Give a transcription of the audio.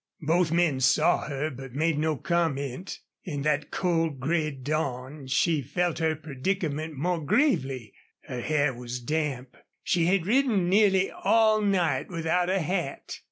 Both men saw her, but made no comment. In that cold, gray dawn she felt her predicament more gravely. Her hair was damp. She had ridden nearly all night without a hat.